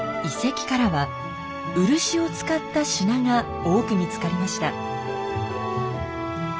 遺跡からは漆を使った品が多く見つかりました。